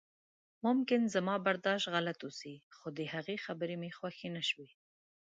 ممکن زما برداشت غلط اوسي خو د هغې خبرې مې خوښې نشوې.